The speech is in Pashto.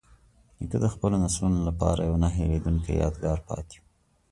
نیکه د خپلو نسلونو لپاره یوه نه هیریدونکې یادګار پاتې کوي.